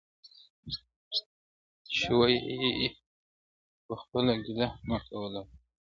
چي و ئې کې پخپله، گيله مه کوه له بله.